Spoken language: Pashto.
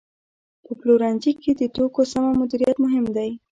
په پلورنځي کې د توکو سمه مدیریت مهم دی.